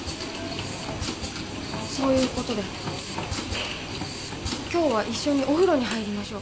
そういうことで今日は一緒にお風呂に入りましょう。